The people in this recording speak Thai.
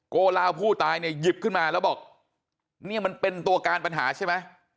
ลาวผู้ตายเนี่ยหยิบขึ้นมาแล้วบอกเนี่ยมันเป็นตัวการปัญหาใช่ไหม